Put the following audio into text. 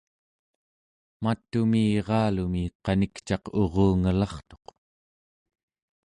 mat'umi iralumi qanikcaq urungelartuq